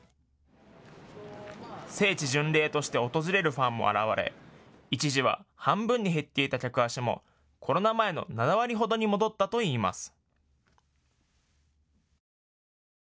聖地巡礼として訪れるファンも現れ、一時は半分に減っていた客足もコロナ前の７割ほどに戻ったといいます。